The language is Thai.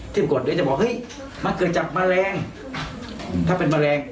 กฎเดี๋ยวจะบอกเฮ้ยมันเกิดจากแมลงถ้าเป็นแมลง